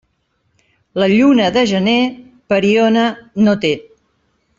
La lluna de gener, pariona no té.